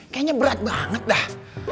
kayaknya berat banget dah